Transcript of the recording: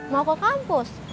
mau ke kampus